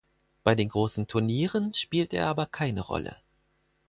Bei den großen Turnieren spielte er aber keine Rolle.